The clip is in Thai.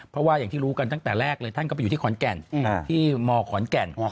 เพราะว่าอย่างที่รู้กันตั้งแต่แรกเลยท่านก็ไปอยู่ที่ขอนแก่นที่มขอนแก่น